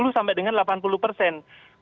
tujuh puluh sampai dengan delapan puluh persen